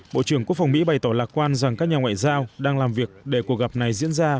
bộ trưởng quốc phòng mỹ bày tỏ lạc quan rằng các nhà ngoại giao đang làm việc để cuộc gặp này diễn ra